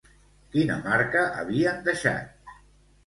Quina marca havien deixat?